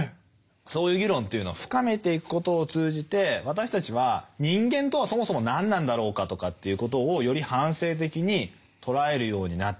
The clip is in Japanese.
そういう議論というのを深めていくことを通じて私たちは人間とはそもそも何なんだろうかとかっていうことをより反省的に捉えるようになっていく。